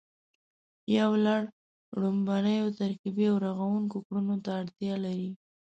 یو لړ ړومبنیو ترکیبي او رغوونکو کړنو ته اړتیا لري